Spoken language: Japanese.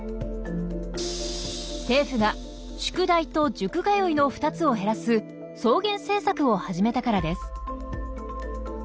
政府が「宿題」と「塾通い」の２つを減らす「双減政策」を始めたからです。